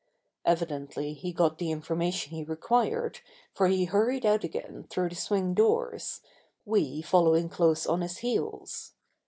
Evidently he got the information he required for he hurried out again through the swing doors, we following close on his heels.